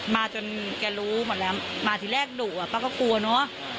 มาจนแกรู้หมดแล้วมาทีแรกดุอ่ะป้าก็กลัวเนอะ